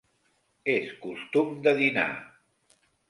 És costum de dinar.